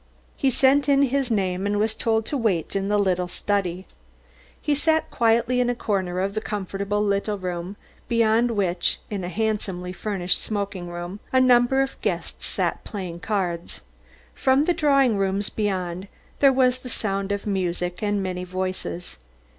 He sent in his name and was told to wait in the little study. He sat down quietly in a corner of the comfortable little room beyond which, in a handsomely furnished smoking room, a number of guests sat playing cards. From the drawing rooms beyond, there was the sound of music and many voices.